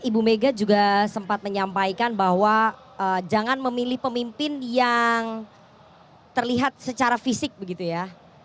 ibu mega juga sempat menyampaikan bahwa jangan memilih pemimpin yang terlihat secara fisik begitu ya